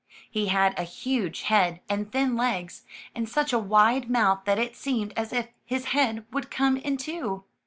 He had a huge head, and thin legs, and such a wide mouth that it seemed as if his head would come in two.